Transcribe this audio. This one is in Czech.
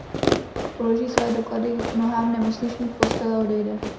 Položí své doklady k nohám nemocniční postele a odejde.